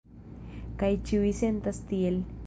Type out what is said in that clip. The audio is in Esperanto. Kaj ĉiuj sentas tiel.